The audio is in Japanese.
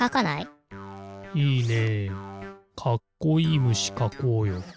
いいねかっこいいムシかこうよ。